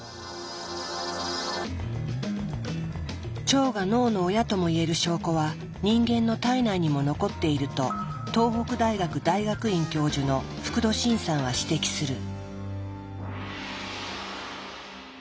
腸が脳の親ともいえる証拠は人間の体内にも残っていると東北大学大学院教授の福土審さんは指摘する。